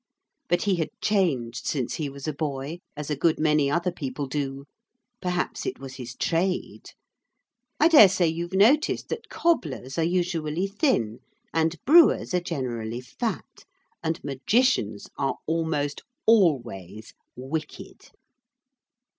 But he had changed since he was a boy, as a good many other people do perhaps it was his trade. I dare say you've noticed that cobblers are usually thin, and brewers are generally fat, and magicians are almost always wicked.